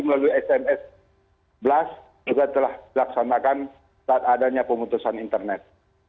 melalui sms blast juga telah dilaksanakan saat adanya pemutusan internet